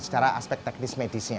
secara aspek teknis medisnya